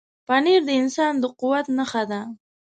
پنېر د انسان د قوت نښه ده.